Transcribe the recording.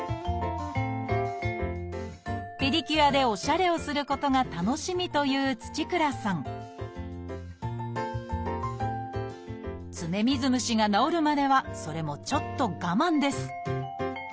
ペディキュアでおしゃれをすることが楽しみという土倉さん爪水虫が治るまではそれもちょっと我慢です